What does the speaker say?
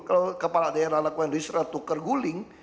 kalau kepala daerah lakman rizra tukar guling